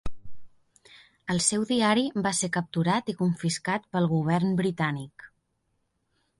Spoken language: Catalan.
El seu diari va ser capturat i confiscat pel govern britànic.